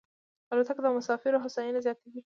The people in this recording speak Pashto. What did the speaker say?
الوتکه د مسافرو هوساینه زیاتوي.